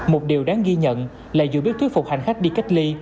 một điều đáng ghi nhận là dù biết thuyết phục hành khách đi cách ly